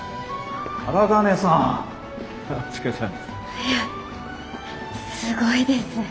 いやすごいです。